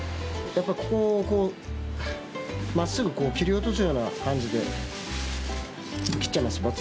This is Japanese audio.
やっぱここをこうまっすぐこう切り落とすような感じで切っちゃいます